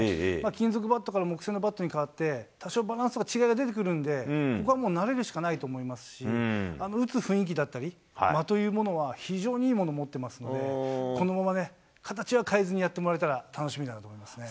金属バットから木製のバットに変わって、多少、バランスとか、違いが出てくるんで、ここはもう慣れるしかないと思いますし、打つ雰囲気だったり、間というものは、非常にいいものを持ってますので、このままね、形は変えずにやってもらえたら、楽しみだなと思いますね。